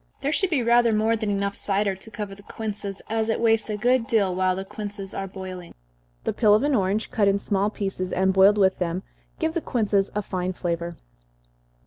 There should be rather more than enough cider to cover the quinces, as it wastes a good deal while the quinces are boiling. The peel of an orange, cut in small pieces, and boiled with them, gives the quinces a fine flavor.